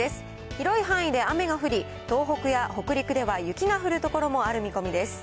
広い範囲で雨が降り、東北や北陸では、雪が降る所もある見込みです。